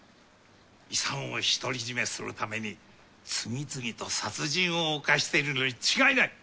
遺産をひとりじめするために次々と殺人を犯しているのに違いない！